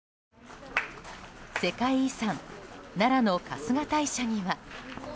世界遺産奈良の春日大社には。